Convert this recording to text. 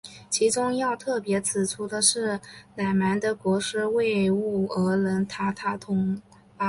其中要特别指出的是乃蛮的国师畏兀儿人塔塔统阿。